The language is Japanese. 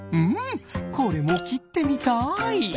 んこれもきってみたい！